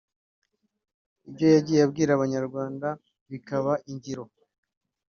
ibyo yagiye abwira Abanyarwanda bikaba ingiro